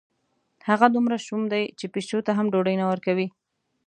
هغه دومره شوم دی، چې پیشو ته هم ډوډۍ نه ورکوي.